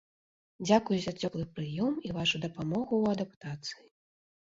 Дзякуй за цёплы прыём і вашу дапамогу ў адаптацыі.